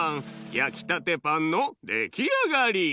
やきたてパンのできあがり！